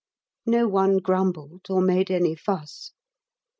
No one grumbled or made any fuss.